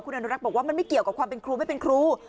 อนุรักษ์บอกว่ามันไม่เกี่ยวกับความเป็นครูไม่เป็นครู